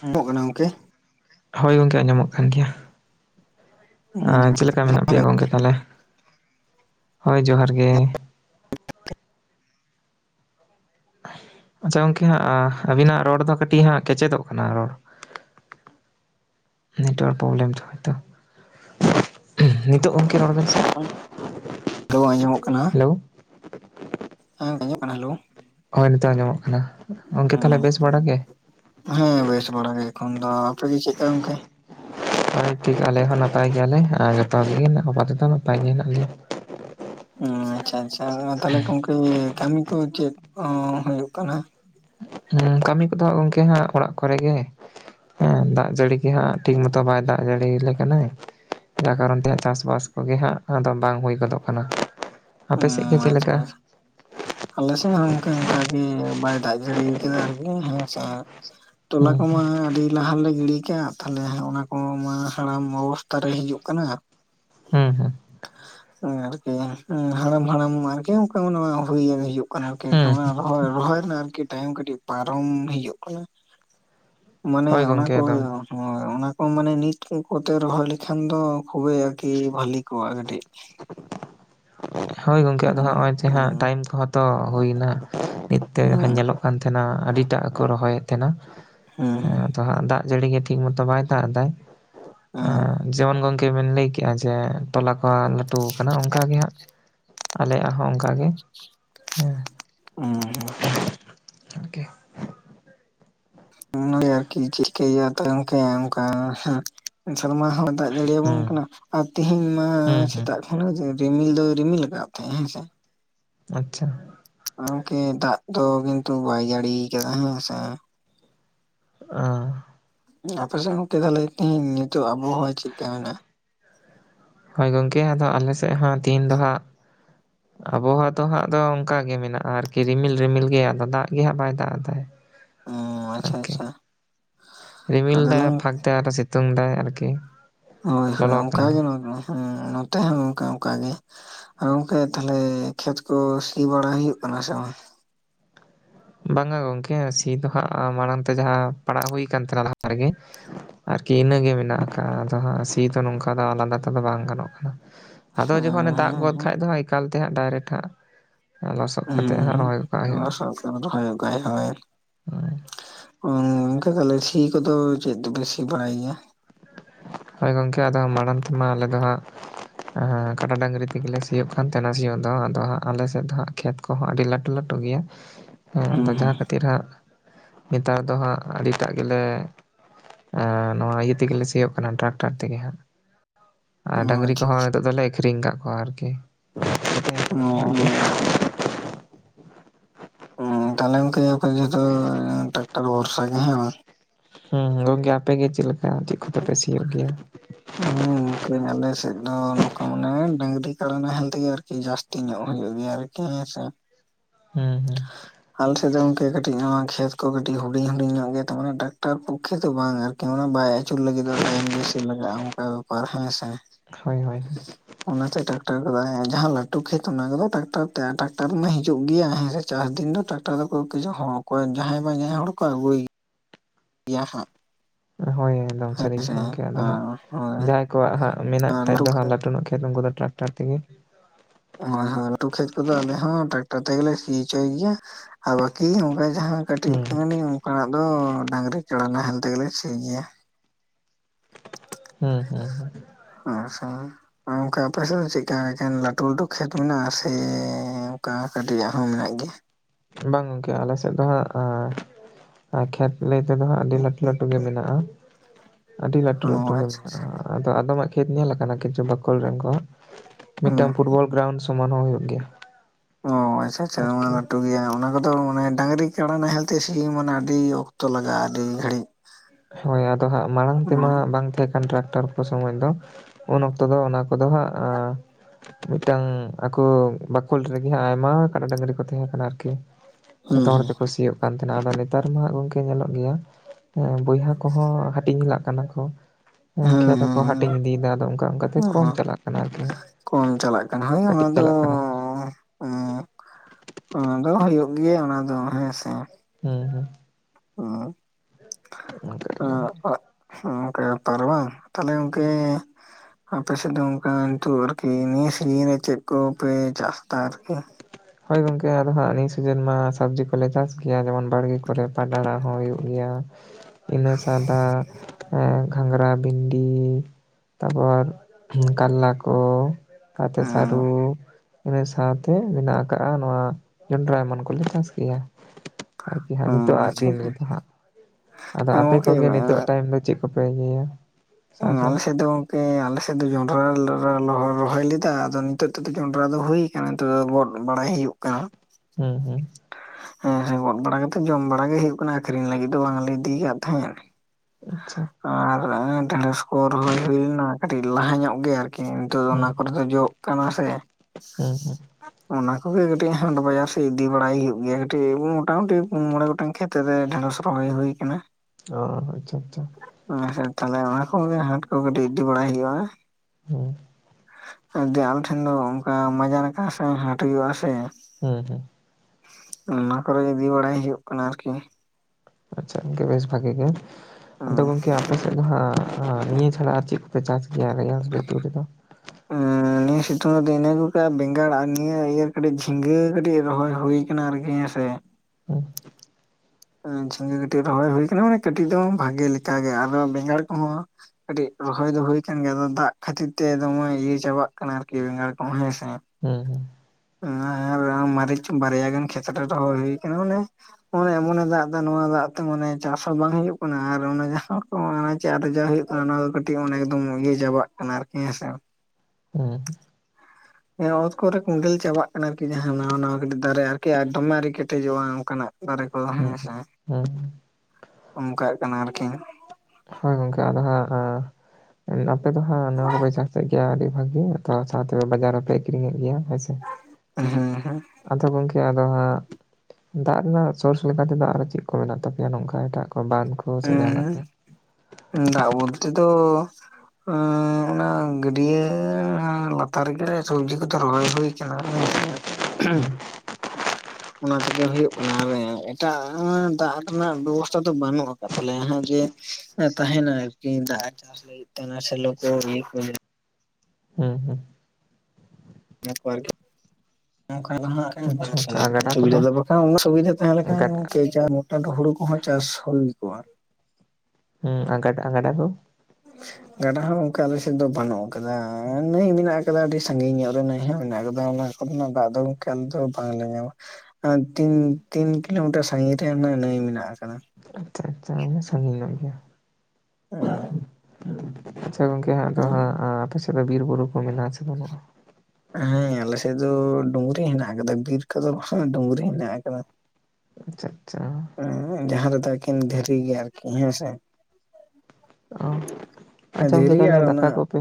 [unintelligible] ᱠᱟᱱᱟ ᱜᱚᱝᱠᱮ᱾ ᱦᱳᱭ ᱜᱚᱝᱠᱮ ᱟᱸᱡᱚᱢᱚᱜ ᱠᱟᱱ ᱜᱮᱭᱟ ᱟᱸ ᱪᱮᱫ᱾ [unintelligible] ᱪᱮᱫᱠᱟ ᱢᱮᱱᱟᱜ ᱯᱮᱭᱟ ᱜᱚᱝᱠᱮ ᱛᱟᱦᱚᱞᱮ ᱦᱳᱭ ᱡᱚᱦᱟᱨ ᱜᱮ᱾ ᱟᱪᱪᱷᱟ ᱜᱚᱝᱠᱮ ᱦᱟᱸᱜ ᱟᱹᱵᱤᱱᱟᱜ ᱨᱚᱲ ᱫᱚ ᱠᱟᱹᱴᱤᱡ ᱦᱟᱸᱜ ᱠᱮᱪᱮᱫᱚᱜ ᱠᱟᱱᱟ ᱨᱚᱲ᱾ ᱱᱮᱴᱣᱟᱨᱠ ᱯᱨᱚᱵᱞᱮᱢ ᱛᱷᱚ ᱦᱚᱭᱛᱚ ᱱᱤᱛᱚᱜ ᱜᱚᱝᱠᱮ ᱨᱚᱲ ᱵᱮᱱ᱾ ᱥᱮ [unintelligible] ᱟᱸᱡᱚᱢᱚᱜ ᱠᱟᱱᱟ᱾ ᱦᱮᱞᱳ ᱦᱮᱸ [unintelligible] ᱠᱟᱱᱟ ᱦᱮᱞᱳ᱾ ᱦᱳᱭ ᱱᱤᱛᱚᱜ ᱟᱸᱡᱚᱢᱚᱜ ᱠᱟᱱᱟ ᱜᱚᱝᱠᱮ ᱛᱟᱦᱚᱞᱮ ᱵᱮᱥ ᱵᱟᱲᱟ ᱜᱮ᱾ ᱦᱮᱸ ᱵᱮᱥ ᱵᱟᱲᱟ ᱜᱮ ᱮᱠᱷᱚᱱ ᱫᱚ ᱟᱯᱮ ᱜᱮ ᱪᱮᱫᱠᱟ ᱜᱚᱝᱠᱮ᱾ ᱦᱳᱭ ᱴᱷᱤᱠ ᱟᱞᱮ ᱦᱚᱸ ᱱᱟᱯᱟᱭ ᱜᱮᱭᱟᱞᱮ ᱟᱨ [unintelligible] ᱦᱚᱸ ᱟᱪᱪᱷᱟ ᱟᱪᱪᱷᱟ ᱛᱟᱦᱞᱮ ᱜᱚᱝᱠᱮ ᱠᱟᱹᱢᱤ ᱠᱚ ᱪᱮᱫ ᱠᱚ ᱦᱩᱭᱩᱜ ᱠᱟᱱᱟ᱾ ᱦᱩᱸ ᱠᱟᱹᱢᱤ ᱠᱚᱫᱚ ᱜᱚᱝᱠᱮ ᱦᱟᱸᱜ ᱚᱲᱟᱜ ᱠᱚᱨᱮ ᱜᱮ। ᱦᱮᱸ ᱫᱟᱜ ᱡᱟᱹᱲᱤ ᱜᱮ ᱦᱟᱸᱜ ᱴᱷᱤᱠ ᱢᱚᱛᱚ ᱵᱟᱭ ᱫᱟᱜ ᱡᱟᱹᱲᱤᱭᱟ ᱞᱮ ᱠᱟᱱᱟᱭ। ᱡᱟ ᱠᱟᱨᱚᱱ ᱼᱼ ᱪᱟᱥ ᱵᱟᱥ ᱠᱚᱜᱮ ᱦᱟᱸᱜ ᱟᱫᱚ ᱵᱟᱝ ᱦᱩᱭ ᱜᱚᱫᱚᱜ ᱠᱟᱱᱟ। ᱟᱯᱮ ᱥᱮᱫ ᱜᱮ ᱦᱩᱸᱻ ᱪᱮᱫ ᱞᱮᱠᱟ? ᱟᱪᱪᱷᱟ [unintelligible] ᱟᱞᱮ ᱥᱮᱫ ᱦᱚᱸ ᱚᱱᱠᱟ ᱚᱱᱠᱟ ᱜᱮ ᱵᱟᱭ ᱫᱟᱜ ᱡᱟᱹᱲᱤ ᱠᱟᱫᱟ ᱟᱨᱠᱤ ᱦᱮᱸ ᱥᱮ। ᱛᱚᱞᱟ ᱦᱩᱸ ᱦᱩᱸ ᱠᱚᱢᱟ ᱟᱹᱰᱤ ᱞᱟᱦᱟ ᱨᱮᱞᱮ ᱜᱤᱲᱤ ᱠᱟᱜ, ᱛᱟᱦᱟᱞᱮ ᱚᱱᱟ ᱠᱚᱢᱟ ᱦᱟᱲᱟᱢ [unintelligible] ᱼᱼ ᱛᱟᱨᱮ ᱦᱤᱡᱩᱜ ᱠᱟᱱᱟ। ᱦᱩᱸ ᱦᱩᱸ ᱦᱮᱸ ᱟᱨᱠᱤ ᱦᱟᱲᱟᱢ ᱦᱟᱲᱟᱢ ᱟᱨᱠᱤ ᱚᱱᱠᱟ ᱚᱱᱟ ᱦᱩᱭ ᱦᱤᱡᱩᱜ ᱠᱟᱱᱟ ᱟᱨᱠᱤ। ᱦᱩᱸ ᱚᱱᱟ ᱨᱚᱦᱚᱭ ᱨᱚᱦᱚᱭ ᱨᱮᱱᱟᱜ ᱟᱨᱠᱤ, ᱴᱟᱭᱤᱢ ᱠᱟᱹᱴᱤᱡ ᱯᱟᱨᱚᱢ ᱦᱤᱡᱩᱜ ᱠᱟᱱᱟ। ᱢᱟᱱᱮ ᱦᱳᱭ ᱚᱱᱟ ᱜᱚᱝᱠᱮ ᱠᱚ ᱮᱠᱫᱚᱢ ᱦᱩᱭᱩᱜᱼᱟ। ᱦᱳᱭ ᱚᱱᱟ ᱠᱚ ᱢᱟᱱᱮ ᱱᱤᱛ ᱠᱚᱛᱮ ᱨᱚᱦᱚᱭ ᱞᱮᱠᱷᱟᱱ ᱫᱚ, ᱠᱷᱩᱵᱮ ᱟᱨᱠᱤ ᱵᱷᱟᱞᱤ ᱼᱼ ᱠᱚᱜᱼᱟ ᱠᱟᱹᱴᱤᱡ। ᱦᱳᱭ ᱜᱚᱝᱠᱮ ᱦᱩᱸ ᱟᱫᱚ ᱦᱟᱸᱜ ᱦᱚᱸᱜᱼᱚᱭ ᱡᱮ ᱦᱩᱸ ᱦᱟᱸᱜ ᱴᱟᱭᱤᱢ ᱠᱚᱦᱚᱸ ᱛᱚ ᱦᱩᱭᱱᱟ, ᱱᱤᱛ ᱛᱮ ᱟᱠᱷᱟᱱ ᱧᱮᱞᱚᱜ ᱼᱼ ᱠᱟᱱ ᱛᱟᱦᱮᱱᱟ, ᱟᱹᱰᱤᱴᱟᱜ ᱠᱚ ᱨᱚᱦᱚᱭᱮᱫ ᱛᱟᱦᱮᱱᱟ। ᱦᱩᱸ ᱦᱩᱸ। ᱟᱫᱚ ᱦᱟᱸᱜ ᱫᱟᱜ ᱡᱟᱹᱲᱤ ᱜᱮ ᱴᱷᱤᱠ ᱢᱚᱛᱚ ᱵᱟᱭ ᱫᱟᱜ ᱮᱫᱟᱭ। ᱡᱮᱢᱚᱱ ᱜᱚᱝᱠᱮ ᱵᱮᱱ ᱞᱟᱹᱭ ᱼᱼ ᱠᱮᱫᱼᱟ ᱡᱮ ᱛᱚᱞᱟ ᱠᱚ ᱦᱟᱸᱜ ᱞᱟᱹᱴᱩ ᱠᱟᱱᱟ ᱚᱱᱠᱟ ᱜᱮ ᱦᱟᱸᱜ ᱼᱼ ᱟᱞᱮᱭᱟᱜ ᱦᱚᱸ ᱚᱱᱠᱟ ᱜᱮ ᱦᱮᱸ। ᱩᱸ ᱦᱩᱸ। ᱟᱨᱠᱤ᱾ ᱚᱱᱟ ᱜᱮ ᱟᱨᱠᱤ ᱪᱤᱠᱟᱹᱭᱟ ᱛᱟᱭᱚᱢ ᱛᱮ ᱚᱱᱠᱟ ᱦᱮᱸ ᱥᱮᱨᱢᱟ ᱦᱚᱸ ᱼᱼ ᱫᱟᱜ ᱡᱟᱹᱲᱤᱭ ᱟᱵᱚᱱ ᱦᱩᱸ ᱠᱟᱱᱟ। ᱟᱨ ᱛᱮᱦᱮᱧ ᱢᱟ ᱦᱩᱸ ᱦᱩᱸ ᱥᱮᱛᱟᱜ ᱠᱷᱚᱱᱟᱜ ᱜᱮ ᱨᱤᱢᱤᱞ ᱫᱚᱭ ᱨᱤᱢᱤᱞ ᱟᱠᱟᱫ ᱛᱟᱦᱮᱸᱜᱼᱟ। ᱦᱮᱸ ᱥᱮ? ᱟᱪᱪᱷᱟ। ᱜᱚᱢᱠᱮ ᱫᱟᱜ ᱫᱚ ᱠᱤᱱᱛᱩ ᱵᱟᱭ ᱡᱟᱹᱲᱤ ᱠᱟᱫᱟ ᱦᱮᱸᱥᱮ᱾ ᱟᱻ ᱟᱯᱟᱥᱮᱫ ᱜᱚᱝᱠᱮ ᱛᱟᱦᱟᱞᱮ ᱛᱮᱦᱮᱧ ᱱᱤᱛᱚᱜ ᱟᱵᱚᱦᱟᱣᱟ ᱪᱮᱫ ᱞᱮᱠᱟ ᱢᱮᱱᱟᱜᱼᱟ? ᱦᱳᱭ ᱜᱚᱝᱠᱮ, ᱟᱫᱚ ᱟᱞᱮ ᱥᱮᱫ ᱦᱚᱸ ᱛᱤᱦᱤᱱ ᱫᱚ ᱦᱟᱸᱜ ᱼᱼ [unintelligible] ᱟᱵᱚᱦᱣᱟ ᱫᱚ ᱦᱟᱸᱜ ᱫᱚ ᱚᱱᱠᱟᱜᱮ ᱢᱮᱱᱟᱜᱼᱟ ᱟᱨᱠᱤ ᱨᱤᱢᱤᱞ ᱨᱤᱢᱤᱞ ᱜᱮ। ᱟᱫᱚ ᱫᱟᱜ ᱜᱮ ᱦᱟᱸᱜ ᱵᱟᱭ ᱫᱟᱜ ᱮᱫᱟᱭ। ᱚᱻ ᱟᱪᱪᱷᱟ ᱟᱨᱠᱤ ᱟᱪᱪᱷᱟ। ᱨᱤᱢᱤᱞ ᱫᱟᱭ, ᱟᱫᱚᱞᱟᱝ ᱯᱷᱷᱟᱠ ᱫᱟᱭ ᱟᱨ ᱦᱚᱸ ᱥᱤᱛᱩᱝ ᱫᱟᱭ ᱟᱨᱠᱤ। ᱦᱳᱭ ᱦᱳᱭ ᱞᱚᱞᱚ ᱚᱱᱠᱟᱜᱮ, ᱠᱟᱱᱟ ᱦᱮᱸ ᱱᱚᱛᱮ ᱦᱚᱸ ᱚᱱᱠᱟ ᱚᱱᱠᱟᱜᱮ। ᱟᱨ ᱜᱚᱝᱠᱮ ᱛᱟᱦᱟᱞᱮ ᱠᱷᱮᱛ ᱠᱚ ᱥᱤ ᱵᱟᱲᱟ ᱦᱩᱭᱩᱜ ᱠᱟᱱᱟ ᱥᱮ ᱵᱟᱝ? ᱵᱟᱝᱟ ᱜᱚᱝᱠᱮ। ᱥᱤ ᱫᱚ ᱦᱟᱸᱜ ᱢᱟᱲᱟᱝ ᱛᱮ ᱡᱟᱦᱟᱸ ᱯᱟᱲᱟᱜ ᱦᱩᱭ ᱠᱟᱱ ᱛᱟᱦᱮᱸᱱᱟ ᱞᱟᱦᱟ ᱨᱮᱜᱮ। ᱟᱨᱠᱤ ᱤᱱᱟᱹᱜᱮ ᱢᱮᱱᱟᱜ ᱟᱠᱟᱜᱼᱟ। ᱟᱫᱚ ᱦᱟᱸᱜ ᱥᱤ ᱫᱚ ᱱᱚᱝᱠᱟ ᱫᱚ ᱟᱞᱟᱫᱟ ᱛᱮᱫᱚ ᱵᱟᱝ ᱜᱟᱱᱚᱜ ᱠᱟᱱᱟ। ᱟᱫᱚ ᱦᱮᱸ ᱡᱚᱠᱷᱚᱱᱮ ᱫᱟᱜ ᱦᱮᱸ ᱜᱚᱫ ᱠᱷᱟᱡ ᱫᱚᱭ ᱼᱼ ᱮᱠᱟᱞᱛᱮ ᱦᱟᱸᱜ ᱰᱟᱭᱨᱮᱠᱴ ᱦᱟᱸᱜ ᱞᱚᱥᱚᱫ ᱠᱟᱛᱮᱜ ᱦᱟᱸᱜ ᱨᱚᱦᱚᱭ ᱜᱚᱜ ᱠᱟᱜ ᱦᱩᱭᱩᱜᱼᱟ। [inaudible] ᱚᱝᱠᱟ ᱜᱮ ᱟᱞᱮ [inaudible] ᱥᱤ ᱠᱚᱫᱚ ᱪᱮᱫ ᱛᱮᱯᱮ ᱥᱤ ᱵᱟᱲᱟᱭ ᱜᱮᱭᱟ? ᱦᱳᱭ ᱜᱚᱢᱠᱮ, ᱟᱫᱚ ᱢᱟᱲᱟᱝ ᱛᱮᱢᱟ ᱟᱞᱮ ᱫᱚ ᱦᱟᱸᱜ ᱼᱼ ᱠᱟᱰᱟ ᱰᱟᱝᱨᱤ ᱛᱮᱜᱮ ᱞᱮ ᱥᱤᱭᱳᱜ ᱠᱟᱱ ᱛᱟᱦᱮᱱᱟ ᱥᱤᱭᱳᱜ ᱫᱚ, ᱟᱫᱚ ᱦᱟᱸᱜ ᱟᱞᱮ ᱥᱮᱫ ᱫᱚ ᱦᱟᱸᱜ ᱠᱷᱮᱛ ᱠᱚᱦᱚᱸ ᱟᱹᱰᱤ ᱞᱟᱹᱴᱩ ᱞᱟᱹᱴᱩ ᱜᱮᱭᱟ [unintelligible] ᱦᱮᱸ, ᱟᱫᱚ ᱡᱟᱦᱟᱸ ᱼᱼ ᱛᱤᱨ ᱦᱟᱸᱜ ᱱᱮᱛᱟᱨ ᱫᱚ ᱦᱟᱸᱜ ᱟᱹᱰᱤᱴᱟᱜ ᱜᱮᱞᱮ, ᱮᱸᱻ ᱱᱚᱣᱟ ᱤᱭᱟᱹ ᱼᱼ ᱛᱮᱜᱮ ᱞᱮ ᱥᱤᱭᱳᱜ ᱠᱟᱱᱟ। ᱴᱨᱟᱠᱴᱟᱨ ᱛᱮᱜᱮ ᱦᱟᱸᱜ। ᱟᱨ ᱦᱩᱸ ᱚ ᱰᱟᱝᱨᱤ ᱟᱪᱪᱷᱟ ᱠᱚᱦᱚᱸ ᱟᱪᱪᱷᱟ ᱱᱤᱛᱚᱜ ᱫᱚᱞᱮ ᱟᱹᱠᱷᱨᱤᱧ ᱠᱟᱜ ᱠᱚᱣᱟ ᱟᱨᱠᱤ। [inaudible] ᱚ, ᱛᱟᱦᱚᱞᱮ ᱜᱚᱝᱠᱮ ᱚᱠᱟᱡᱚᱦᱚᱜ ᱫᱚ ᱴᱨᱟᱠᱴᱟᱨ ᱵᱷᱚᱨᱥᱟ ᱜᱮ ᱦᱮᱸ ᱵᱟᱝ ᱦᱩᱸ ᱦᱩᱸ, ᱜᱚᱝᱠᱮ ᱟᱯᱮ ᱜᱮ ᱪᱮᱫ ᱞᱮᱠᱟ ᱪᱮᱜ ᱩᱸᱻ ᱜᱚᱢᱠᱮ ᱟᱞᱮᱥᱮᱫ ᱫᱚ ᱱᱚᱝᱠᱟ ᱢᱟᱱᱮ ᱰᱟᱝᱨᱤ ᱠᱟᱰᱟ ᱱᱟᱦᱮᱞ ᱛᱮᱜᱮ ᱟᱨᱠᱤ, ᱡᱟᱹᱥᱛᱤ ᱧᱚᱜ ᱦᱩᱭᱩᱜ ᱜᱮᱭᱟ ᱟᱨᱠᱤ। ᱦᱮᱸᱥᱮ ᱦᱮᱸ ᱦᱮᱸ। ᱟᱞᱮ ᱥᱮᱫ ᱫᱚ ᱚᱱᱠᱟᱜᱮ ᱠᱟᱹᱴᱤᱡ ᱱᱚᱣᱟ ᱠᱷᱮᱛ ᱠᱚ ᱠᱟᱹᱴᱤᱡ ᱦᱩᱰᱤᱧ ᱦᱩᱰᱤᱧ ᱧᱚᱜ ᱜᱮᱭᱟ ᱛᱚ ᱢᱟᱱᱮ ᱴᱟᱠᱴᱟᱨ ᱯᱚᱠᱼᱠᱷᱮ ᱫᱚ ᱵᱟᱝ ᱟᱨᱠᱤ। [inaudible] ᱵᱟᱭ ᱟᱹᱪᱩᱨ ᱞᱟᱹᱜᱤ ᱫᱚᱜᱼᱟ ᱴᱟᱭᱤᱢ ᱵᱮᱥᱤ ᱞᱟᱜᱟᱜᱼᱟ ᱚᱱᱠᱟ ᱵᱮᱯᱟᱨ ᱦᱮᱸᱥᱮ। ᱦᱳᱭ ᱦᱳᱭ। ᱚᱱᱟᱛᱮ ᱴᱨᱟᱠᱴᱟᱨ ᱠᱚᱫᱚ ᱡᱟᱦᱟᱸ ᱞᱟᱹᱴᱩ ᱠᱷᱮᱛ ᱚᱱᱟ ᱠᱚᱫᱚ ᱴᱟᱠᱴᱟᱨ ᱛᱮ ᱴᱨᱟᱠᱴᱟᱨ ᱢᱟ ᱦᱤᱡᱩᱜ ᱜᱮᱭᱟ ᱦᱮᱸ ᱪᱟᱥ ᱫᱤᱱ ᱫᱚ ᱴᱨᱟᱠᱴᱟᱨ ᱨᱮᱠᱚ ᱤᱛᱩᱭᱟ ᱦᱚᱦᱚ ᱟᱠᱚᱣᱟᱹᱧ ᱡᱟᱦᱟᱸᱭ ᱵᱟᱝ ᱡᱟᱦᱟᱸᱭ ᱦᱚᱲ ᱠᱚ ᱟᱹᱜᱩᱭ ᱜᱮ ᱜᱮᱭᱟ ᱦᱟᱸᱜ ᱦᱳᱭ ᱮᱠᱫᱚᱢ ᱦᱮᱸ ᱥᱟᱹᱨᱤ ᱜᱮ ᱥᱮ ᱜᱚᱝᱠᱮ ᱟᱫᱚ ᱦᱟᱸᱜ ᱦᱳᱭ ᱡᱟᱦᱟᱸᱭ ᱠᱚᱣᱟᱜ ᱦᱟᱸᱜ ᱢᱮᱱᱟᱜ ᱠᱷᱟᱡ ᱫᱚ ᱦᱟᱸᱜ ᱞᱟᱹᱴᱩ ᱧᱚᱜᱼᱼ ᱩᱱᱠᱩ ᱫᱚ ᱴᱨᱟᱠᱴᱟᱨ ᱛᱮᱜᱮ। ᱦᱳᱭ ᱦᱳᱭ ᱞᱟᱹᱴᱩ ᱠᱷᱮᱛ ᱠᱚᱫᱚ ᱟᱞᱮ ᱦᱚᱸ ᱴᱨᱟᱠᱴᱟᱨ ᱛᱮᱜᱞᱮ ᱥᱤ ᱦᱚᱪᱚᱭ ᱜᱮᱭᱟᱼᱼ ᱟᱨ ᱵᱟᱹᱠᱤ ᱚᱱᱠᱟ ᱡᱟᱦᱟᱸ ᱠᱟᱹᱴᱤᱡ ᱦᱩᱸ ᱚᱱᱮᱚᱱᱠᱟᱱᱟᱜ ᱫᱚ ᱰᱟᱝᱨᱤ ᱠᱟᱲᱟ ᱱᱟᱦᱮᱞ ᱛᱮᱜᱮᱞᱮ ᱥᱤ ᱜᱮᱭᱟ। ᱦᱩᱸ ᱦᱩᱸ ᱦᱩᱸ। [inaudible] ᱟᱨ ᱚᱱᱠᱟ ᱟᱯᱮ ᱥᱮᱫ ᱫᱚ ᱪᱮᱫ ᱞᱮᱠᱟ ᱮᱠᱮᱱ ᱞᱟᱹᱴᱩ ᱞᱟᱹᱴᱩ ᱠᱷᱮᱛ ᱢᱮᱱᱟᱜ ᱥᱮ ᱚᱱᱠᱟ ᱠᱟᱹᱴᱤᱡ ᱟᱜ ᱦᱚᱸ ᱢᱮᱱᱟᱜ ᱜᱮᱭᱟ᱾ ᱵᱟᱝ ᱜᱚᱝᱠᱮ ᱟᱞᱮ ᱥᱮᱫ ᱫᱚ ᱦᱟᱸᱜ ᱟ ᱟᱨ ᱠᱷᱮᱛ ᱞᱟᱹᱭ ᱛᱮᱫᱚ ᱦᱟᱸᱜ ᱟᱹᱰᱤ ᱞᱟᱹᱴᱩ ᱞᱟᱹᱴᱩ ᱜᱮ ᱢᱮᱱᱟᱜᱼᱟ ᱟᱹᱰᱤ ᱞᱟᱹᱴᱩ ᱚ ᱞᱟᱹᱴᱩ ᱜᱮ ᱟᱪᱪᱷᱟ ᱟᱪᱪᱷᱟ ᱢᱮᱱᱟᱜᱼᱟ। ᱟᱫᱚ ᱟᱫᱚᱢᱟᱜ ᱠᱷᱮᱛ ᱧᱮᱞ ᱟᱠᱟᱱᱟ ᱠᱤᱱᱪᱩ ᱵᱟᱠᱳᱞ ᱨᱮᱱ ᱠᱚᱣᱟᱜ ᱦᱩᱸ ᱢᱤᱫᱴᱟᱝ ᱯᱷᱩᱴᱵᱚᱞ ᱜᱨᱩᱱᱰᱼᱼ ᱥᱚᱢᱟᱱ ᱦᱚᱸ ᱦᱩᱭᱩᱜ ᱜᱮᱭᱟ। ᱚ ᱟᱪᱪᱷᱟ ᱟᱪᱪᱷᱟ, [unintelligible] ᱟᱨᱠᱤ ᱢᱟᱞᱟᱹᱴᱩ ᱜᱮᱭᱟ ᱚᱱᱟᱼᱼ ᱠᱚᱫᱚ ᱢᱟᱱᱮ ᱰᱟᱝᱨᱤ ᱠᱟᱲᱟ ᱱᱟᱦᱮᱞᱛᱮ ᱥᱤ, ᱢᱟᱱᱮ ᱟᱹᱰᱤ ᱚᱠᱛᱚ ᱞᱟᱜᱟᱜᱼᱟ ᱟᱹᱰᱤ ᱜᱷᱟᱹᱲᱤᱡ। ᱦᱳᱭ, ᱟᱫᱚ ᱦᱟᱸᱜ ᱢᱟᱲᱟᱝ ᱛᱮᱢᱟ ᱦᱩᱸ ᱵᱟᱝ ᱛᱟᱦᱮᱸ ᱠᱟᱱ ᱴᱨᱟᱠᱴᱟᱨᱼᱼ ᱩᱱ ᱥᱚᱢᱚᱭ ᱫᱚ, ᱩᱱ ᱚᱠᱛᱚ ᱫᱚ ᱚᱱᱟ ᱠᱚᱫᱚ ᱦᱟᱸᱜ ᱟ ᱢᱤᱫᱴᱟᱝ ᱟᱠᱚ ᱵᱟᱠᱷᱳᱞ ᱨᱮᱜᱮ ᱟᱭᱢᱟ ᱠᱟᱰᱟ ᱰᱟᱹᱝᱨᱤ ᱠᱚ ᱛᱟᱦᱮᱸ ᱠᱟᱱᱟ ᱟᱨᱠᱤ। ᱦᱩᱸ ᱡᱚᱛᱚ ᱦᱚᱲ ᱦᱩᱸ ᱛᱮᱠᱚ ᱥᱤᱭᱟᱜ ᱠᱟᱱ ᱛᱟᱦᱮᱱᱟ, ᱟᱫᱚ ᱱᱮᱛᱟᱨ ᱢᱟ ᱦᱟᱸᱜ ᱜᱚᱝᱠᱮ ᱧᱮᱞᱚᱜ ᱜᱮᱭᱟᱼᱼ ᱵᱚᱭᱦᱟ ᱠᱚᱦᱚᱸ ᱦᱟᱹᱴᱤᱧ ᱡᱚᱱᱟᱜ ᱠᱟᱱᱟ ᱠᱚ। ᱠᱷᱮᱛ ᱦᱩᱸ ᱦᱚᱸᱠᱚ ᱦᱩᱸ ᱦᱟᱹᱴᱤᱧ ᱤᱫᱤᱭᱮᱫᱟ, ᱟᱫᱚ ᱚᱱᱠᱟ ᱚᱱᱠᱟᱛᱮ ᱦᱩᱸ ᱠᱚᱢ ᱦᱩᱸ ᱪᱟᱞᱟᱜ ᱠᱟᱱᱟ ᱟᱨᱠᱤ। ᱠᱚᱢ ᱪᱟᱞᱟᱜ ᱠᱟᱱᱟ, ᱦᱳᱭ ᱚᱱᱟ ᱠᱟᱹᱴᱤᱡ ᱫᱚᱻ ᱪᱟᱞᱟᱜ ᱠᱟᱱᱟ ᱮ ᱚᱱᱟ ᱫᱚ ᱦᱳᱭᱳᱜ ᱜᱮᱭᱟ ᱚᱱᱟ ᱫᱚᱦᱟᱜ ᱦᱮᱸᱥᱮ। ᱦᱩᱸ ᱦᱩᱸ, ᱚᱱᱠᱟ ᱚ ᱜᱮ ᱜᱚᱝᱠᱮ [unintelligible] ᱚᱱᱠᱟ ᱵᱮᱯᱟᱨ ᱵᱟᱝ ᱛᱟᱦᱞᱮ ᱜᱚᱝᱠᱮ, ᱟᱯᱮᱥᱮᱫ ᱫᱚ ᱚᱱᱠᱟ ᱱᱤᱛᱚ ᱟᱨᱠᱤ, ᱱᱤᱭᱟᱹ ᱥᱤᱡᱤᱱ ᱨᱮ ᱪᱮᱫ ᱠᱚᱯᱮ ᱪᱟᱥ ᱮᱫᱟ ᱟᱨᱠᱤ? ᱦᱳᱭ ᱜᱚᱝᱠᱮ, ᱟᱫᱚ ᱦᱟᱸᱜ ᱱᱤᱭᱟᱹ ᱥᱤᱡᱤᱱ ᱢᱟ ᱥᱚᱵᱽᱡᱤ ᱠᱚᱞᱮ ᱪᱟᱥ ᱜᱮᱭᱟ, ᱡᱮᱢᱚᱱ ᱵᱟᱲᱜᱮ ᱠᱚᱨᱮ ᱯᱟᱴᱟᱲᱟᱜ ᱦᱚᱸ ᱦᱩᱭᱩᱜ ᱜᱮᱭᱟ। [inaudible] ᱤᱱᱟᱹ ᱥᱟᱫᱟ ᱮᱸᱼᱼ ᱜᱷᱟᱝᱨᱟ, ᱵᱷᱤᱱᱰᱤ, ᱛᱟᱯᱚᱨ ᱠᱟᱞᱞᱟ ᱠᱚ, ᱠᱟᱛᱮ ᱥᱟᱹᱨᱩ ᱤᱱᱟᱹ ᱥᱟᱶᱛᱮ ᱢᱮᱱᱟᱜ ᱠᱟᱜᱼᱟ, ᱱᱚᱣᱟ ᱡᱚᱱᱰᱨᱟ ᱮᱢᱟᱱ ᱠᱚᱞᱮ ᱪᱟᱥ ᱜᱮᱭᱟ, ᱟᱨᱠᱤ ᱦᱟᱸᱜ ᱚ ᱱᱤᱛᱚᱜ ᱟᱜ ᱟᱪᱪᱷᱟ ᱫᱤᱱ ᱨᱮᱫᱚ ᱦᱟᱸᱜ᱾ ᱟᱫᱚ ᱦᱮᱸ ᱟᱯᱮ ᱜᱚᱝᱠᱮ ᱠᱚᱜᱮ, ᱱᱤᱛᱚᱜ ᱴᱟᱭᱤᱢ ᱫᱚ ᱪᱮᱫ ᱠᱚᱯᱮ ᱤᱭᱟᱹᱭᱟ? ᱚ ᱪᱟᱥᱟ ᱟᱞᱮ ᱥᱮᱫ ᱫᱚ ᱟᱞᱮᱥᱮᱫ ᱫᱚ ᱡᱚᱸᱰᱨᱟ [unintelligible] ᱞᱮ ᱨᱚᱦᱚᱭ ᱞᱮᱫᱟ ᱟᱫᱚ ᱱᱤᱛᱚᱜ ᱛᱮᱫᱚ ᱡᱚᱸᱰᱨᱟ ᱫᱚ ᱦᱩᱭᱼᱼ [unintelligible] ᱦᱮᱸ ᱱᱤᱛᱚᱜ ᱫᱚ ᱜᱚᱫ ᱵᱟᱲᱟᱭ ᱦᱩᱭᱩᱜ ᱠᱟᱱᱟ। ᱦᱩᱸ ᱦᱩᱸ, ᱦᱮᱸ ᱦᱮᱸ, ᱜᱚᱫ ᱵᱟᱲᱟ ᱠᱟᱛᱮ ᱡᱚᱢ ᱵᱟᱲᱟ ᱜᱮ ᱦᱩᱭᱩᱜ ᱠᱟᱱᱟ, ᱟᱠᱷᱨᱤᱧ ᱞᱟᱹᱜᱤᱫ ᱫᱚ ᱵᱟᱝᱞᱮ ᱤᱫᱤ ᱟᱠᱟᱛ ᱛᱟᱦᱮᱸᱫ। ᱟᱪᱪᱷᱟ। ᱟᱨ ᱰᱷᱮᱲᱚᱥ ᱠᱚ ᱨᱚᱦᱚᱭ ᱦᱩᱭ ᱞᱮᱱᱟ, ᱠᱟᱹᱴᱤᱡ ᱞᱟᱦᱟ ᱧᱚᱜ ᱜᱮ ᱟᱨᱠᱤ, ᱛᱚ ᱚᱱᱟ ᱦᱩᱸ ᱠᱚᱨᱮ ᱦᱩᱸ ᱫᱚ ᱡᱚᱜ ᱠᱟᱱᱟ ᱥᱮ, ᱦᱩᱸ ᱦᱩᱸ ᱚᱱᱟ ᱠᱚᱜᱮ ᱠᱟᱹᱴᱤᱡ, ᱦᱟᱴ ᱵᱟᱡᱟᱨ ᱥᱮᱡ ᱤᱫᱤ ᱵᱟᱲᱟᱭ ᱦᱩᱭᱩᱜ ᱜᱮᱭᱟ ᱠᱟᱹᱴᱤᱡ, ᱢᱚᱴᱟᱢᱩᱴᱤ ᱯᱩᱱ ᱢᱚᱬᱮ ᱜᱚᱴᱟᱝ ᱠᱷᱮᱛ, ᱨᱮ ᱰᱷᱮᱸᱲᱚᱥ ᱨᱚᱦᱚᱭ ᱦᱩᱭ ᱠᱟᱱᱟ। ᱚ ᱟᱪᱪᱷᱟ ᱟᱪᱪᱷᱟ। ᱟᱪᱪᱷᱟ, ᱛᱟᱦᱚᱞᱮ ᱚᱱᱟ ᱠᱚᱜᱮ ᱦᱟᱴ ᱠᱚ ᱠᱟᱹᱴᱤᱡ ᱤᱫᱤ ᱵᱟᱲᱟᱭ ᱦᱩᱭᱩᱜᱼᱟ। ᱦᱩᱸ, ᱡᱮ ᱟᱞᱮ ᱴᱷᱮᱱ ᱫᱚ ᱚᱱᱠᱟ ᱢᱟᱡᱟᱱ ᱟᱠᱟᱱ ᱥᱮ ᱦᱟᱴ ᱦᱩᱭᱩᱜᱼᱟ ᱥᱮ, ᱦᱮᱸ ᱦᱮᱸ, ᱚᱱᱟ ᱠᱚᱨᱮ ᱜᱮ ᱤᱫᱤ ᱵᱟᱲᱟᱭ ᱦᱩᱭᱩᱜ ᱠᱟᱱᱟ ᱟᱨᱠᱤ, ᱟᱪᱪᱷᱟ ᱜᱚᱝᱠᱮ ᱵᱮᱥ ᱵᱷᱟᱜᱤ ᱜᱮ, ᱟᱫᱚ ᱜᱚᱝᱠᱮ ᱟᱯᱮ ᱥᱮᱫ ᱫᱚ ᱦᱟᱸᱜ ᱱᱤᱭᱟᱹ ᱪᱷᱟᱲᱟ ᱟᱨ ᱪᱮᱫ ᱯᱮ ᱪᱟᱥ ᱜᱮᱭᱟ [unintelligible] ᱨᱮᱫᱚ ᱮᱻ ᱱᱤᱭᱟᱹ ᱥᱤᱛᱩᱝ ᱨᱮ ᱫᱚ ᱤᱱᱟᱹ ᱠᱚ ᱜᱮ, ᱟᱨ ᱵᱮᱸᱜᱟᱲ ᱟᱨ ᱱᱤᱭᱟᱹ ᱤᱭᱟᱹ ᱠᱟᱹᱴᱤᱡ ᱡᱷᱤᱸᱜᱟᱹ ᱠᱟᱹᱴᱤᱡ ᱨᱚᱦᱚᱭ ᱦᱩᱭ ᱟᱠᱟᱱᱟ ᱟᱨᱠᱤ ᱦᱮᱸᱥᱮ, ᱦ ᱡᱷᱤᱝᱜᱟᱹ ᱠᱟᱹᱴᱤᱡ ᱨᱚᱦᱚᱭ ᱦᱩᱭ ᱟᱠᱟᱱᱟ, ᱢᱟᱱᱮ ᱠᱟᱹᱴᱤᱡ ᱫᱚ ᱵᱟᱝ ᱵᱷᱟᱜᱮ ᱞᱮᱠᱟᱜᱮ ᱟᱨ ᱵᱮᱸᱜᱟᱲ ᱠᱚᱦᱚᱸ, ᱠᱟᱹᱴᱤᱡ ᱨᱚᱦᱚᱭ ᱫᱚ ᱦᱳᱭ ᱟᱠᱟᱱ ᱜᱮᱭᱟ, ᱟᱫᱚ ᱫᱟᱜ ᱠᱷᱟᱹᱛᱤᱨ ᱛᱮ ᱫᱚᱢᱮ ᱤᱭᱟᱹ ᱪᱟᱵᱟᱜ ᱠᱟᱱᱟ, ᱟᱨᱠᱤ ᱵᱮᱸᱜᱟᱲ ᱠᱚ ᱦᱮᱸᱥᱮ, ᱦᱩᱸ ᱦᱩᱸ, ᱟᱨ ᱢᱟᱨᱤᱪ ᱵᱟᱨᱭᱟ ᱜᱟᱱ ᱠᱷᱮᱛ ᱨᱮ ᱨᱚᱦᱚᱭ ᱦᱩᱭ ᱠᱟᱱᱟ ᱢᱟᱱᱮ ᱦᱳᱭ ᱮᱢᱚᱱᱮ ᱫᱟᱜ ᱮᱫᱟ ᱱᱚᱣᱟ ᱫᱟᱜ ᱛᱮ ᱢᱟᱱᱮ ᱪᱟᱥ ᱦᱚᱸ ᱵᱟᱝ ᱦᱩᱭᱩᱜ ᱠᱟᱱᱟ ᱟᱨ ᱚᱱᱟ ᱡᱟᱦᱟᱸ ᱛᱚ ᱚᱱᱟ ᱪᱟᱨᱡᱟ ᱦᱩᱭᱩᱜ ᱠᱟᱱᱟ ᱚᱱᱟ ᱫᱚ ᱠᱟᱹᱴᱤᱡ ᱚᱱᱮ ᱮᱠᱫᱚᱢ ᱤᱭᱟᱹ ᱪᱟᱵᱟᱜ ᱠᱟᱱᱟ ᱟᱨᱠᱤ ᱦᱮᱸᱥᱮ᱾ ᱦᱩᱸ ᱮᱸ ᱚᱛ ᱠᱚᱨᱮ ᱠᱚᱸᱰᱮᱞ ᱪᱟᱵᱟᱜ ᱠᱟᱱᱟ ᱟᱨᱠᱤ ᱡᱟᱦᱟᱸ ᱱᱟᱣᱟ ᱱᱟᱣᱟ ᱠᱟᱹᱴᱤᱡ ᱫᱟᱨᱮ ᱟᱨᱠᱤ ᱟᱨ ᱫᱚᱢᱮ ᱟᱨᱤ ᱠᱮᱴᱮᱡᱚᱜᱼᱟ ᱚᱱᱠᱟᱱᱟᱜ᱾ ᱵᱟᱨᱮ ᱠᱚ ᱦᱮᱸ ᱦᱩᱸ ᱥᱮ᱾ ᱦᱩᱸ᱾ ᱚᱱᱠᱟᱜ ᱠᱟᱱᱟ ᱟᱨᱠᱤ᱾ ᱦᱳᱭ ᱜᱚᱝᱠᱮ ᱟᱫᱚ ᱦᱟᱸᱜ ᱟ ᱟᱯᱮ ᱫᱚ ᱦᱟᱸᱜ ᱱᱚᱣᱟ ᱠᱚᱯᱮ ᱪᱟᱥᱮᱜ ᱜᱮᱭᱟ ᱟᱹᱰᱤ ᱵᱷᱟᱹᱜᱤ ᱟᱫᱚ ᱥᱟᱶᱛᱮ ᱯᱮ ᱵᱟᱡᱟᱨ ᱦᱚᱸᱯᱮ ᱟᱠᱷᱨᱤᱧᱮᱜ ᱜᱮᱭᱟ ᱦᱮᱸᱥᱮ ᱦᱮᱸ ᱦᱮᱸ᱾ ᱟᱫᱚ ᱜᱚᱝᱠᱮ ᱟᱫᱚ ᱦᱟᱸᱜ ᱫᱟᱜ ᱨᱮᱱᱟᱜ ᱥᱳᱨᱥ ᱞᱮᱠᱟ ᱛᱮ ᱫᱚ ᱟᱨᱚ ᱪᱮᱜ ᱠᱚ ᱢᱮᱱᱟᱜ ᱛᱟᱯᱮᱭᱟ ᱱᱚᱝᱠᱟ ᱮᱴᱟᱜ ᱠᱚ ᱵᱟᱸᱱ ᱠᱚ? ᱥᱮ ᱡᱟᱦᱟᱱᱟᱜ ᱠᱚ ᱩ ᱫᱟᱜ ᱵᱚᱞᱛᱮ ᱫᱚ ᱟᱸ ᱚᱱᱟ ᱜᱟᱹᱰᱭᱟᱹ ᱦᱟ ᱞᱟᱛᱟᱨ ᱨᱮᱜᱮ ᱥᱚᱵᱡᱤ ᱠᱚᱫᱚ ᱨᱚᱦᱚᱭ ᱦᱩᱭ ᱠᱟᱱᱟ ᱦᱮᱸ ᱥᱮ ᱦᱟᱜ᱾ [inaudible] ᱚᱱᱟ ᱛᱮᱜᱮ ᱦᱩᱭᱩᱜ ᱠᱟᱱᱟ ᱟᱨᱮ ᱮᱴᱟᱜ ᱫᱟᱜ ᱨᱮᱱᱟᱜ ᱵᱮᱵᱚᱥᱛᱷᱟ ᱫᱚ ᱵᱟᱹᱱᱩᱜ ᱟᱠᱟᱫᱟ᱾ ᱛᱟᱦᱚᱞᱮ ᱦᱟ ᱡᱮ ᱛᱟᱦᱮᱱᱟ ᱟᱨᱠᱤ ᱫᱟᱜ [unintelligible] ᱦᱮᱸ ᱦᱮᱸ᱾ ᱛᱟᱨ ᱯᱚᱨ ᱟᱨᱠᱤ ᱚᱱᱠᱟ ᱫᱚ ᱦᱟᱸᱜ ᱟᱪᱪᱷᱟ ᱟᱪᱪᱷᱟ ᱟᱨ [unintelligible] ᱜᱟᱰᱟ ᱥᱩᱵᱤᱫᱷᱟ ᱠᱚᱫᱚ ᱫᱚ ᱵᱟᱠᱷᱟᱱ ᱚᱱᱟ ᱥᱚᱵᱤᱫᱟ ᱛᱟᱦᱮ ᱞᱮᱠᱷᱟᱱ ᱜᱟᱰᱟ ᱜᱟᱝᱠᱮ ᱡᱟ ᱟᱫᱚ ᱦᱩᱲᱩ ᱠᱚᱦᱚᱸ ᱪᱟᱥ ᱦᱩᱭ ᱠᱚᱜᱼᱟ, ᱦᱩᱸ ᱟ ᱜᱟᱰᱟ ᱟ ᱜᱟᱰᱟ ᱫᱚ? [inaudible] ᱜᱟᱰᱟ ᱦᱚᱸ ᱚᱱᱠᱟ ᱟᱞᱮ ᱥᱮᱜ ᱫᱚ ᱵᱟᱹᱱᱩᱜ ᱟᱠᱟᱫᱟ ᱱᱟᱹᱭ ᱢᱮᱱᱟᱜ ᱟᱠᱟᱫᱟ ᱟᱹᱰᱤ ᱥᱟᱺᱜᱤᱧ ᱧᱚᱜ ᱨᱮ ᱱᱟᱹᱭ ᱦᱚᱸ ᱢᱮᱱᱟᱜ ᱠᱟᱫᱟ ᱚᱱᱟ ᱠᱟᱵᱷᱤᱱᱟ ᱫᱟᱜ ᱫᱚ ᱜᱚᱝᱠᱮ ᱟᱞᱮ ᱫᱚ ᱵᱟᱝ ᱞᱮ ᱧᱟᱢᱟ᱾ ᱟᱨ ᱛᱤᱱ ᱛᱤᱱ ᱠᱤᱞᱳᱢᱤᱴᱟᱨ ᱥᱟᱹᱜᱤᱧ ᱨᱮ ᱚᱱᱟ ᱱᱟᱹᱭ ᱢᱮᱱᱟᱜ ᱟᱠᱟᱫᱟ᱾ ᱟᱪᱷᱟ ᱚᱱᱮ ᱥᱟᱺᱜᱤᱧ ᱧᱚᱜ ᱜᱮ᱾ ᱦᱩᱸ᱾ ᱟᱪᱪᱷᱟ ᱜᱚᱝᱠᱮ ᱦᱟᱸᱜ ᱟᱫᱚ ᱦᱟᱜ ᱟ ᱟᱯᱮ ᱥᱮᱜ ᱫᱚ ᱵᱤᱨ ᱵᱩᱨᱩ ᱠᱚ ᱢᱮᱱᱟᱜᱼᱟ ᱥᱮ ᱵᱟᱹᱱᱩᱜᱼᱟ? ᱦᱮᱸ ᱟᱞᱮᱥᱮᱜ ᱫᱚ ᱰᱩᱝᱨᱤ ᱦᱮᱱᱟᱜ ᱟᱠᱟᱫᱟ ᱵᱤᱨ ᱠᱚᱫᱚ ᱵᱟᱝ ᱰᱩᱝᱨᱤ ᱦᱮᱱᱟᱜ ᱟᱠᱟᱫᱟ᱾ ᱟᱪᱪᱷᱟ ᱟᱪᱪᱷᱟ᱾ ᱚ ᱡᱟᱦᱟᱸ ᱨᱮᱫᱚ ᱟᱹᱠᱷᱮᱱ ᱫᱷᱤᱨᱤ ᱜᱮᱭᱟ ᱟᱨᱠᱤ ᱦᱮᱸᱥᱮ᱾ ᱚ ᱟᱪᱪᱷᱟ ᱜᱚᱝᱠᱮ ᱫᱷᱤᱨᱤ ᱛᱟᱦᱚᱞᱮ ᱟᱨ ᱚᱱᱟ ᱫᱟᱠᱟ ᱠᱚᱯᱮ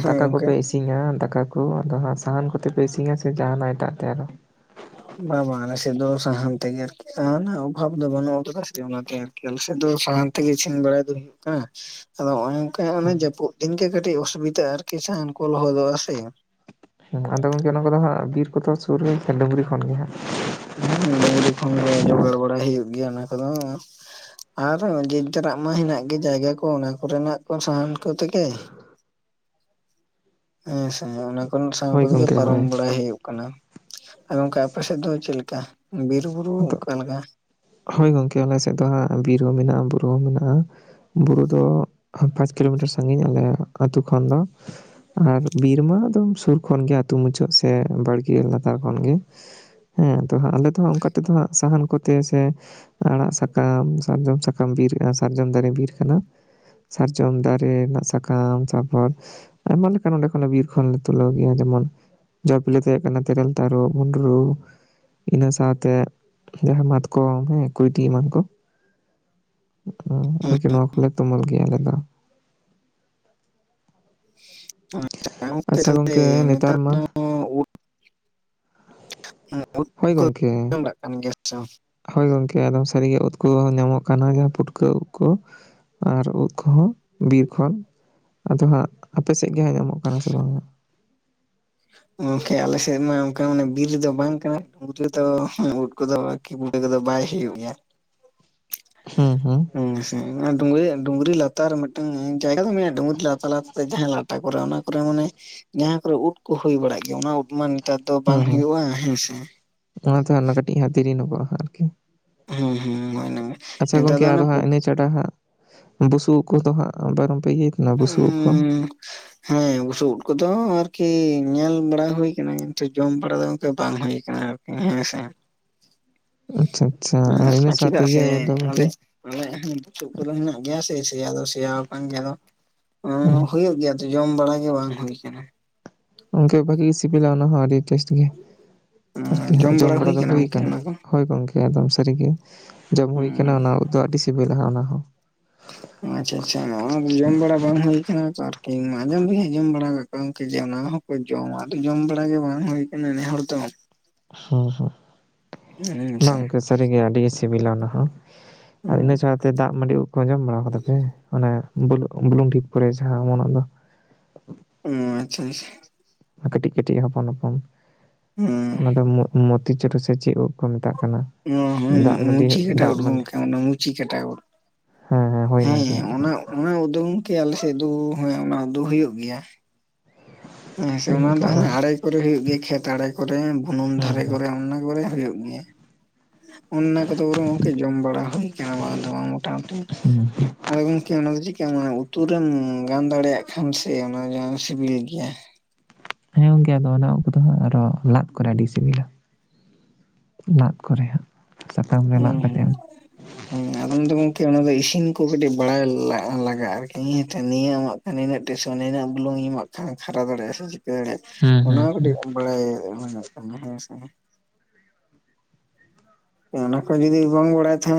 ᱦᱮᱸ ᱫᱟᱠᱟ ᱜᱚᱝᱠᱮ ᱠᱚᱯᱮ ᱤᱥᱤᱱ ᱤᱥᱤᱱᱟ ᱫᱟᱠᱟ ᱠᱚ ᱟᱫᱚ ᱦᱟᱜ ᱥᱟᱦᱟᱱ ᱠᱚᱛᱮ ᱯᱮ ᱤᱥᱤᱱᱟ ᱥᱮ ᱡᱟᱦᱟᱱᱟᱜ ᱮᱴᱟᱜ ᱛᱮ ᱟᱨᱚ? ᱵᱟᱵᱟ ᱟᱞᱮ ᱥᱮᱜ ᱫᱚ ᱥᱟᱦᱟᱱ ᱛᱮᱜᱮ ᱟᱨᱠᱤ᱾ ᱥᱟᱦᱟᱱ ᱨᱮᱱᱟᱜ ᱚᱵᱷᱟᱵ ᱫᱚ ᱵᱟᱹᱱᱩᱜ ᱟᱠᱟᱫᱟ ᱥᱮ ᱪᱮ ᱚᱱᱟᱛᱮ ᱟᱨᱠᱤ ᱟᱞᱮ ᱥᱮᱜ ᱫᱚ ᱥᱟᱦᱟᱱ ᱛᱮᱜᱮ ᱤᱥᱤᱱ ᱵᱟᱲᱟᱭ ᱫᱚ ᱦᱩᱭᱩᱜ ᱠᱟᱱᱟ᱾ ᱟᱫᱚ ᱚᱱᱮ ᱚᱱᱠᱟ ᱚᱱᱮ ᱦᱩᱸ ᱡᱟᱹᱯᱩᱫ ᱫᱤᱱ ᱜᱮ ᱠᱟᱹᱴᱤᱡ ᱚᱥᱩᱵᱤᱫᱟ ᱟᱨᱠᱤ ᱥᱟᱦᱟᱱ ᱠᱚ ᱞᱚᱦᱚᱫᱚᱜᱼᱟ ᱥᱮ᱾ ᱦᱩᱸ ᱟᱫᱚ ᱜᱚᱝᱠᱮ ᱚᱱᱟ ᱠᱚᱫᱚ ᱦᱟᱸᱜ ᱵᱤᱨ ᱠᱚᱫᱚ ᱥᱩᱨ ᱨᱮ ᱥᱮ ᱰᱩᱝᱨᱤ ᱠᱷᱚᱱ ᱜᱮ ᱦᱟᱸᱜ? ᱦᱩᱸ ᱰᱩᱝᱨᱤ ᱠᱷᱚᱱᱜᱮ ᱡᱚᱜᱟᱲ ᱵᱟᱲᱟ ᱦᱩᱭᱩᱜ ᱜᱮᱭᱟ ᱚᱱᱟ ᱠᱚᱫᱚ ᱟᱨ ᱡᱮ ᱡᱟᱨᱟᱜ ᱢᱟ ᱦᱮᱱᱟᱜ ᱜᱮ ᱡᱟᱭᱜᱟ ᱠᱚ ᱚᱱᱟ ᱠᱚᱨᱮᱱᱟᱜ ᱠᱚ ᱥᱟᱦᱟᱱ ᱠᱚ ᱛᱮᱜᱮ᱾ ᱦᱮᱸᱥᱮ ᱚᱱᱟ ᱠᱷᱚᱱ ᱥᱟᱦᱟᱱ ᱦᱳᱭ ᱠᱚᱛᱮ ᱜᱮ ᱜᱚᱝᱠᱮ ᱯᱟᱨᱚᱢ ᱦᱳᱭ ᱵᱟᱲᱟᱭ ᱦᱩᱭᱩᱜ ᱠᱟᱱᱟ ᱟᱨ ᱜᱚᱝᱠᱟ ᱟᱯᱮ ᱥᱮᱜ ᱫᱚ ᱪᱮᱜ ᱞᱮᱠᱟ ᱵᱤᱨ ᱵᱩᱨᱩ ᱟᱫᱚ ᱚᱠᱟ ᱞᱮᱠᱟ? ᱦᱳᱭ ᱜᱚᱝᱠᱮ ᱟᱞᱮ ᱥᱮᱜ ᱫᱚ ᱦᱟᱸᱜ ᱵᱤᱨ ᱦᱚᱸ ᱢᱮᱱᱟᱜᱼᱟ ᱵᱩᱨᱩ ᱦᱚᱸ ᱢᱮᱱᱟᱜᱼᱟ᱾ ᱵᱩᱨᱩ ᱫᱚ ᱯᱟᱸᱪ ᱠᱤᱞᱳᱢᱤᱴᱟᱨ ᱥᱟᱺᱜᱤᱧ ᱟᱞᱮ ᱟᱛᱩ ᱠᱷᱚᱱ ᱫᱚ᱾ ᱟᱨ ᱵᱤᱨᱢᱟ ᱮᱠᱫᱚᱢ ᱥᱩᱨ ᱠᱷᱚᱱ ᱜᱮ ᱟᱛᱩ ᱢᱩᱪᱟᱹᱫ ᱥᱮ ᱵᱟᱲᱜᱮ ᱞᱟᱛᱟᱨ ᱠᱷᱚᱱ ᱜᱮ᱾ ᱦᱮᱸ ᱟᱫᱚ ᱦᱟᱜ ᱟᱞᱮ ᱫᱚᱦᱟᱸᱜ ᱚᱱᱠᱟ ᱛᱮᱫ ᱫᱚ ᱦᱟᱸᱜ ᱥᱟᱦᱟᱱ ᱠᱚᱛᱮ ᱥᱮ ᱟᱲᱟᱜ ᱥᱟᱠᱟᱢ ᱥᱟᱨᱡᱚᱢ ᱥᱟᱠᱟᱢ ᱵᱤᱨ ᱥᱟᱨᱡᱚᱢ ᱫᱟᱨᱮ ᱵᱤᱨ ᱠᱟᱱᱟ᱾ ᱥᱟᱨᱡᱚᱢ ᱫᱟᱨᱮ ᱨᱮᱱᱟᱜ ᱥᱟᱠᱟᱢ ᱛᱟᱨᱯᱚᱨ ᱟᱭᱢᱟ ᱞᱮᱠᱟᱱ ᱚᱸᱰᱮ ᱠᱷᱚᱱ ᱵᱤᱨ ᱠᱷᱚᱱ ᱞᱮ ᱛᱩᱞᱟᱹᱣ ᱜᱮᱭᱟ ᱡᱮᱢᱚᱱ ᱡᱚ ᱵᱤᱞᱤ ᱛᱟᱦᱮᱸ ᱠᱟᱱᱟ ᱛᱮᱨᱮᱞ ᱛᱟᱨᱩᱵ ᱵᱷᱩᱸᱰᱨᱩ ᱤᱱᱟᱹ ᱥᱟᱶᱛᱮ ᱡᱟᱦᱟᱸ ᱢᱟᱛᱠᱚᱢ ᱦᱮᱸ ᱠᱚᱩᱭᱰᱤ ᱮᱢᱟᱱ ᱠᱚ [inaudible] ᱞᱮ ᱛᱩᱢᱟᱹᱞ ᱜᱮᱭᱟ ᱟᱞᱮ ᱫᱚ᱾ ᱟᱪᱪᱷᱟ ᱜᱚᱝᱠᱮ [inaudible] ᱱᱮᱛᱟᱨ ᱢᱟ ᱫᱚ ᱩᱫ ᱦᱳᱭ ᱜᱚᱝᱠᱮ [inaudible] ᱦᱳᱭ ᱜᱚᱝᱠᱮ ᱟᱫᱚᱢ ᱥᱟᱹᱨᱤᱜᱮ ᱩᱫ ᱠᱚ ᱧᱟᱢᱚᱜ ᱠᱟᱱᱟ ᱡᱟᱦᱟᱸ ᱯᱩᱴᱠᱟᱹ ᱩᱫ ᱠᱚ᱾ ᱟᱨ ᱩᱫ ᱠᱚᱦᱚᱸ ᱵᱤᱨ ᱠᱷᱚᱱ᱾ ᱟᱫᱚ ᱦᱟᱸᱜ ᱟᱯᱮ ᱥᱮᱫ ᱜᱮ ᱦᱟᱸᱜ ᱧᱟᱢᱚᱜ ᱠᱟᱱᱟ ᱥᱮ ᱵᱟᱝ? ᱜᱚᱝᱠᱮ ᱟᱞᱮᱥᱮᱫ ᱢᱟ ᱚᱱᱠᱟ ᱢᱚᱱᱮ ᱵᱤᱨ ᱫᱚ ᱵᱟᱝ ᱠᱟᱱᱟ [inaudible] ᱩᱫ ᱠᱚᱫᱚ ᱚᱴᱮ ᱨᱮᱫᱚ ᱵᱟᱭ ᱦᱩᱭᱩᱜ ᱜᱮᱭᱟ᱾ ᱦᱩᱸ ᱦᱩᱸ [inaudible] ᱰᱩᱝᱨᱤ ᱰᱩᱝᱨᱤ ᱞᱟᱛᱟᱨ ᱨᱮ ᱢᱤᱫᱴᱟᱝ ᱡᱟᱭᱜᱟ ᱫᱚ ᱢᱮᱱᱟᱜᱼᱟ ᱰᱩᱝᱨᱤ ᱞᱟᱛᱟᱨ ᱞᱟᱛᱟᱨ ᱡᱟᱦᱟᱸᱭ ᱞᱟ ᱴᱟ ᱠᱚᱨᱮ ᱚᱱᱟ ᱠᱚᱨᱮ ᱢᱟᱱᱮ ᱡᱟᱦᱟᱸ ᱠᱚᱨᱮ ᱩᱫ ᱠᱚ ᱦᱩᱭ ᱵᱟᱲᱟᱜ ᱜᱮᱭᱟ ᱚᱱᱟ ᱩᱯᱩ ᱢᱟ ᱱᱤᱛ ᱱᱮᱛᱟᱨ ᱫᱚ ᱵᱟᱝ ᱦᱩᱸ ᱦᱩᱸ ᱦᱩᱭᱩᱜᱼᱟ ᱦᱮᱸ ᱥᱮ᱾ ᱚᱱᱟᱛᱮ ᱠᱟᱹᱴᱤᱡ ᱫᱮᱨᱤᱧᱚᱜᱚᱜᱼᱟ ᱟᱨᱠᱤ᱾ ᱦᱩᱸ ᱦᱩᱸ ᱦᱚᱭ ᱚᱱᱟ ᱜᱮ ᱟᱪᱪᱷᱟ ᱜᱚᱝᱠᱮ ᱟᱫᱚ ᱦᱟᱸᱜ ᱤᱱᱟᱹ ᱪᱷᱟᱰᱟ ᱦᱟᱸᱜ ᱵᱩᱥᱩᱵ ᱩᱫ ᱠᱚᱫᱚ ᱦᱟᱸᱜ ᱵᱟᱝ ᱯᱮ ᱤᱭᱟᱹ ᱩᱸ ᱦᱮᱸ ᱵᱩᱥᱩᱵ ᱩᱫ ᱠᱚᱫᱚ ᱟᱨᱠᱤ ᱧᱮᱞ ᱵᱟᱲᱟ ᱦᱩᱭ ᱠᱟᱱᱟ ᱠᱤᱱᱛᱩ ᱡᱚᱢ ᱵᱟᱲᱟ ᱫᱚ ᱜᱚᱝᱠᱮ ᱵᱟᱝ ᱦᱩᱭ ᱠᱟᱱᱟ ᱟᱨ ᱦᱮᱸ ᱥᱮ ᱟᱪᱪᱷᱟ ᱟᱪᱪᱷᱟ ᱟᱨ ᱤᱱᱟᱹ ᱮᱜ ᱪᱮᱫᱟᱜ ᱥᱟᱶᱛᱮ ᱥᱮ ᱤᱭᱟᱹ ᱫᱚ ᱟᱞᱮ ᱜᱚᱝᱠᱮ ᱟᱞᱮᱭᱟᱜ ᱵᱩᱥᱩᱵ ᱠᱚᱫᱚ ᱦᱮᱱᱟᱜ ᱜᱮᱭᱟ ᱥᱮ ᱥᱮᱭᱟ ᱫᱚ ᱥᱮᱭᱟ ᱟᱠᱟᱱ ᱜᱮᱭᱟ ᱦᱮᱸ ᱦᱩᱭᱩᱜ ᱜᱮᱭᱟ᱾ ᱡᱚᱢ ᱵᱟᱲᱟ ᱜᱮ ᱵᱟᱝ ᱦᱩᱭ ᱠᱟᱱᱟ᱾ ᱜᱚᱝᱠᱮ ᱵᱷᱟᱜᱤ ᱜᱮ ᱥᱤᱵᱤᱞᱟ ᱚᱱᱟ ᱦᱚᱸ ᱟᱹᱰᱤ ᱴᱮᱥᱴ ᱜᱮ ᱟᱨᱠᱤ ᱦᱟᱜ ᱡᱚᱢ ᱵᱟᱲᱟ ᱫᱚ ᱦᱩᱭ ᱠᱟᱱᱟ᱾ ᱦᱳᱭ ᱜᱚᱝᱠᱮ ᱮᱠᱫᱚᱢ ᱥᱟᱹᱨᱤ ᱜᱮ ᱡᱚᱢ ᱦᱩᱭᱩ ᱠᱟᱱᱟ ᱚᱱᱟ ᱩᱫ ᱫᱚ ᱟᱹᱰᱤ ᱥᱤᱵᱤᱞᱟ ᱚᱱᱟ ᱦᱚᱸ᱾ ᱟᱪᱪᱷᱟ ᱟᱪᱪᱷᱟ ᱚᱱᱟ ᱫᱚ ᱡᱚᱢ ᱵᱟᱲᱟ ᱵᱟᱝ ᱦᱩᱭ ᱠᱟᱱᱟ ᱛᱚ ᱟᱨᱠᱤ ᱟᱡᱚᱢ ᱫᱚᱞᱤᱧ ᱟᱡᱚᱢ ᱵᱟᱲᱟ ᱠᱟᱜ ᱠᱚᱣᱟ ᱜᱚᱝᱠᱮ ᱡᱮ ᱚᱱᱟ ᱦᱚᱸ ᱠᱚ ᱡᱚᱢᱟ ᱟᱫᱚ ᱡᱚᱢ ᱵᱟᱲᱟ ᱜᱮ ᱵᱟᱝ ᱦᱩᱭᱩ ᱠᱟᱱᱟ ᱱᱮ ᱦᱚᱲ ᱫᱚ᱾ ᱦᱩᱸ ᱦᱩᱸ ᱦᱮᱸ ᱥᱮ ᱵᱟᱝ ᱜᱟᱝᱠᱮ ᱥᱟᱹᱨᱤᱜᱮ ᱟᱹᱰᱤ ᱥᱤᱵᱤᱞᱟ ᱚᱱᱟ ᱦᱚᱸ᱾ ᱟᱨ ᱤᱱᱟᱹ ᱚᱸ ᱥᱟᱣᱛᱮ ᱫᱟᱜ ᱢᱟᱹᱰᱤ ᱩᱫ ᱠᱚ ᱡᱚᱢ ᱵᱟᱲᱟ ᱠᱟᱫᱟ ᱯᱮ ᱚᱱᱮ ᱵᱩᱞᱩ ᱵᱩᱱᱩᱢ ᱰᱷᱤᱯ ᱠᱚᱨᱮ ᱡᱟᱦᱟ ᱚᱢᱚᱱᱚ ᱫᱚ? ᱚ ᱟᱪᱪᱷᱟ ᱟᱪᱪᱷᱟ ᱠᱟᱹᱴᱤᱡ ᱠᱟᱹᱴᱤᱡ ᱦᱚᱯᱚᱱ ᱦᱚᱯᱚᱱ᱾ [unintelligible] ᱚᱱᱟ ᱫᱚ ᱢᱩ ᱢᱚᱛᱤᱪᱩᱴᱩ ᱥᱮ ᱪᱮᱫ ᱩᱫ ᱠᱚ ᱢᱮᱛᱟᱜ ᱠᱟᱱᱟ? ᱫᱟᱜ [unintelligible] ᱢᱟᱹᱰᱤ ᱢᱩᱪᱤ ᱪᱷᱩᱨᱤ ᱫᱟᱜ ᱩᱫ ᱢᱟᱹᱰᱤ ᱜᱚᱝᱠᱮ ᱚᱱᱮ ᱢᱩᱪᱤᱠᱟᱴᱟ ᱩᱫ᱾ ᱦᱮᱸ ᱦᱩᱭᱱᱟ ᱜᱮ ᱦᱮᱸ ᱚᱱᱟ ᱚᱱᱟ ᱩᱫ ᱫᱚ ᱜᱚᱝᱠᱮ ᱟᱞᱮᱥᱮᱫ ᱫᱚ ᱦᱮ ᱚᱱᱟ ᱩᱫ ᱫᱚ ᱦᱩᱭᱩᱜ ᱜᱮᱭᱟ᱾ ᱦᱮᱸ ᱥᱮ ᱦᱳᱭ ᱚᱱᱟ ᱜᱚᱝᱠᱮ ᱫᱚ ᱦᱟᱜ ᱟᱫᱚ ᱟᱲᱮ ᱠᱚᱨᱮ ᱦᱩᱭᱩᱜ ᱜᱮᱭᱟ ᱠᱷᱮᱛ ᱟᱲᱮ ᱠᱚᱨᱮ ᱵᱩᱱᱩᱢ ᱫᱷᱟᱨᱮ ᱦᱩᱸ ᱠᱚᱨᱮ ᱚᱱᱟ ᱠᱚᱨᱮ ᱦᱩᱭᱩᱜ ᱜᱮᱭᱟ ᱚᱱᱟ ᱠᱚᱫᱚ ᱵᱚᱨᱚᱱ ᱜᱚᱝᱠᱮ ᱡᱚᱢ ᱵᱟᱲᱟ ᱦᱩᱭ ᱠᱟᱱᱟ ᱵᱟᱝ ᱫᱚ ᱵᱟᱝ ᱢᱳᱴᱟᱢᱩᱴᱤ᱾ ᱦᱩᱸ ᱟᱫᱚ ᱜᱚᱢᱠᱮ ᱚᱱᱟ ᱫᱚ ᱪᱤᱠᱟᱱᱟ ᱩᱛᱩ ᱨᱮᱢ ᱜᱟᱱ ᱫᱟᱲᱮᱭᱟᱜ ᱠᱷᱟᱱ ᱥᱮ ᱚᱱᱟ ᱥᱤᱵᱤᱞ ᱜᱮᱭᱟ᱾ [unintelligible] ᱦᱮᱸ ᱜᱚᱝᱠᱮ ᱟᱫᱚ ᱚᱱᱟ ᱩᱠᱩᱫᱚ ᱟᱨᱚ ᱞᱟᱫ ᱠᱚᱨᱮ ᱟᱹᱰᱤ ᱥᱤᱵᱤᱞᱟ᱾ ᱞᱟᱫ ᱠᱚᱨᱮ ᱦᱟᱸᱜ᱾ ᱥᱟᱠᱟᱢ ᱨᱮ ᱞᱟᱫ ᱦᱩᱸ ᱠᱟᱛᱮ ᱦᱟᱸᱜ᱾ ᱦᱮᱸ ᱟᱫᱚ ᱚᱱᱟ ᱫᱚ ᱜᱚᱝᱠᱮ ᱚᱱᱟ ᱫᱚ ᱤᱥᱤᱱ ᱠᱚ ᱠᱟᱹᱴᱤᱡ ᱵᱟᱲᱟᱭ ᱞᱟᱜᱟᱜᱼᱟ ᱟᱨᱠᱤ ᱱᱤᱭᱟᱹ ᱟᱜ᱾ ᱱᱤᱱᱟᱹᱜ ᱴᱮᱥᱮᱱ ᱱᱤᱱᱟᱹᱜ ᱵᱩᱞᱩᱝ ᱮᱢᱟᱜ ᱠᱷᱟᱱ ᱠᱷᱟᱨᱟ ᱫᱟᱲᱮᱭᱟᱜᱼᱟ ᱥᱮ ᱪᱤᱠᱟᱹ ᱫᱟᱲᱮᱭᱟᱜᱼᱟ᱾ ᱦᱩᱸ ᱚᱱᱟ ᱦᱩᱸ ᱦᱚᱸ ᱠᱟᱹᱴᱤᱡ ᱵᱟᱲᱟᱭ ᱠᱟᱱᱟ ᱦᱮᱸᱥᱮ᱾ ᱚᱱᱟ ᱠᱚ ᱡᱩᱫᱤ ᱵᱟᱝ ᱵᱟᱲᱟᱭ ᱛᱷᱟᱱᱼᱼ